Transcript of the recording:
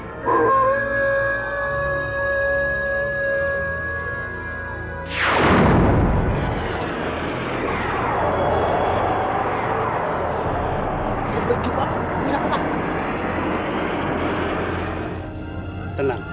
tidak pak tidak pak